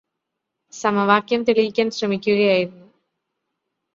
സമവാക്യം തെളിയിക്കാന് ശ്രമിക്കുകയായിരുന്നു